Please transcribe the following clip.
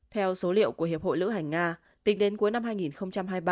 theo số liệu của hiệp hội lữ hành nga tính đến cuối năm hai nghìn hai mươi ba